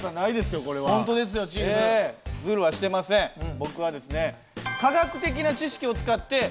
僕はですね科学。